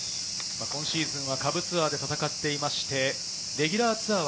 今シーズンは下部ツアーで戦っていて、レギュラーツアー